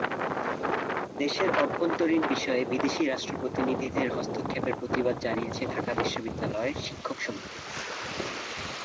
দেশের অভ্যন্তরীণ বিষয়ে বিদেশি রাষ্ট্র প্রতিনিধিদের হস্তক্ষেপের প্রতিবাদ জানিয়েছে ঢাকা বিশ্ববিদ্যালয় শিক্ষক সমিতি।